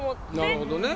なるほどね。